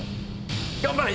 頑張れ！